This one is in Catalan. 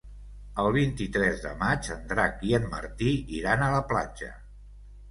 El vint-i-tres de maig en Drac i en Martí iran a la platja.